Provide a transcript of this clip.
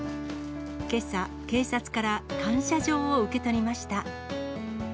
けさ、警察から感謝状を受け取りました。